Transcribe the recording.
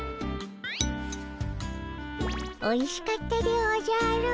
おいしかったでおじゃる。